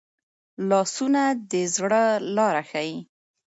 لاسونه د زړه لاره ښيي